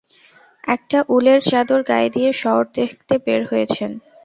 একটা উলের চাদর গায়ে দিয়ে শহর দেখতে বের হয়েছেন!